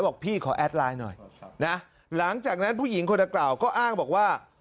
บอกพี่ขอแอดไลน์หน่อยนะหลังจากนั้นผู้หญิงคนดังกล่าวก็อ้างบอกว่า